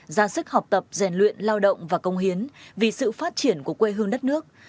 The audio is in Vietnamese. ra sức học tập rèn luyện lao động và công hiến vì sự phát triển của quê hương đất nước